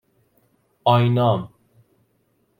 آینام